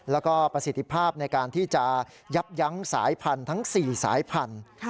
แล้วก็ประสิทธิภาพในการที่จะยับยั้งสายพันธุ์ทั้ง๔สายพันธุ์